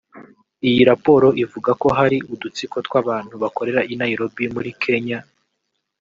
Iyi raporo ivuga ko hari udutsiko tw’abantu bakorera i Nairobi muri Kenya